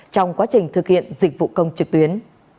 trong quá trình thực hiện dịch vụ công trực tuyến